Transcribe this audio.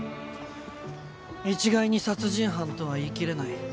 一概に殺人犯とは言い切れない。